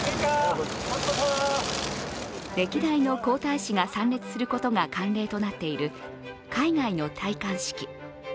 歴代の皇太子が参列することが慣例となっている海外の戴冠式。